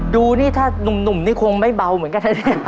ดูนี่ถ้านุ่มนี่คงไม่เบาเหมือนกันนะเนี่ย